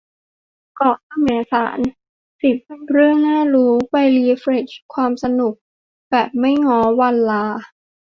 เกาะแสมสาร สิบ เรื่องน่ารู้ ไปรีเฟรชความสนุกแบบไม่ง้อวันลา